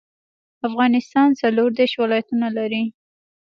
افغانستان څلور ديرش ولايتونه لري